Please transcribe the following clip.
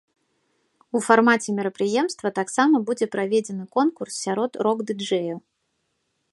У фармаце мерапрыемства таксама будзе праведзены конкурс сярод рок-дыджэяў.